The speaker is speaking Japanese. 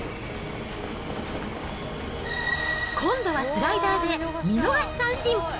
今度はスライダーで見逃し三振。